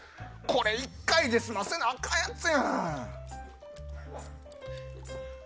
これ１回で済ませなあかんやつやん。